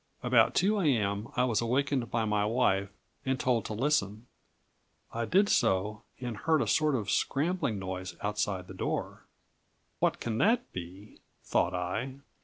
About 2 a.m., I was awakened by my wife, and told to listen; I did so, and heard a sort of scrambling noise outside the door. "What can that be?" thought I.